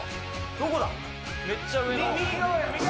どこだ？